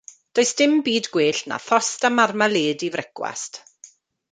Does dim byd gwell na thost a marmalêd i frecwast.